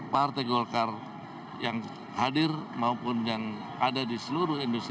partai golkar yang hadir maupun yang ada di seluruh indonesia